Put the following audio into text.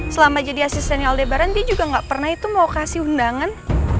selama jadi asistennya oldebaran dia juga gak pernah itu mau kasih undangan